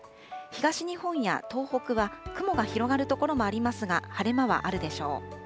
東日本や東北は雲が広がる所もありますが、晴れ間はあるでしょう。